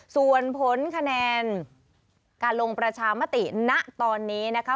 ส่วนผลคะแนนการลงประชามติณตอนนี้นะคะ